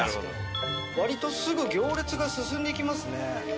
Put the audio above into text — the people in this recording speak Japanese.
割とすぐ行列が進んでいきますね。